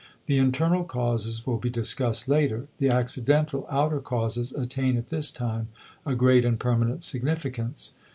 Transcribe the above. The internal causes will be discussed later, the accidental outer causes attain at this time a great and permanent significance.